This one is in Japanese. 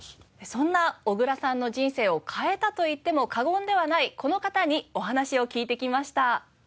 そんな小倉さんの人生を変えたといっても過言ではないこの方にお話を聞いて来ました。